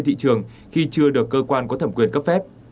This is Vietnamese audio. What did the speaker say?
thị trường khi chưa được cơ quan có thẩm quyền cấp phép